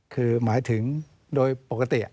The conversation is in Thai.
คือหมายถึงโดยปกติ